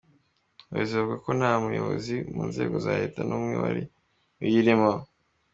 Abayobozi bavuga ko nta muyobozi mu nzego za Leta n’umwe wari uyirimo.